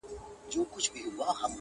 زه هر دم و دغه چارې وته خیر یم.